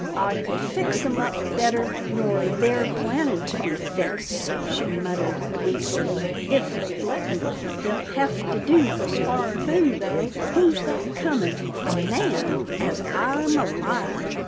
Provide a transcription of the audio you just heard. " I could fix 'em up better nor they're plannin' to be fixed," she muttered gleefully, " if they'd let me. They'll hev to do the squar' thing though — who's that comin' ? A man, as I'm alive."